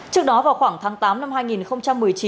trước đó vào khoảng tháng tám năm hai nghìn một mươi chín